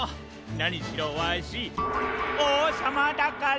なにしろわしおうさまだから！